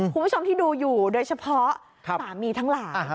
คุณผู้ชมที่ดูอยู่โดยเฉพาะสามีทั้งหลาย